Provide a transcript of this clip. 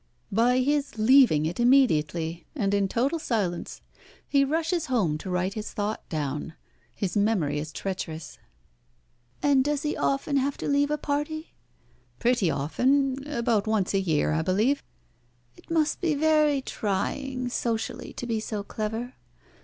"By his leaving it immediately, and in total silence. He rushes home to write his thought down. His memory is treacherous." "And does he often have to leave a party?" "Pretty often. About once a year, I believe." "It must be very trying socially to be so clever.